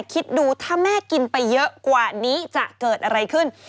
คิดดูถ้าแม่กินไปเยอะกว่านี้จะเกิดอะไรขึ้น